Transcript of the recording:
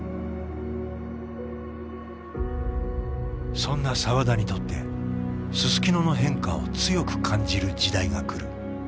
そんな澤田にとってすすきのの変化を強く感じる時代が来る。